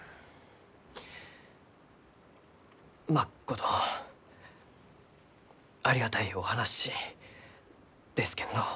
まっことありがたいお話ですけんど。